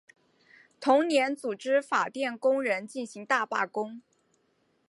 同年组织法电工人进行大罢工。